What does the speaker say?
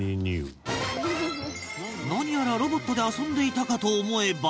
何やらロボットで遊んでいたかと思えば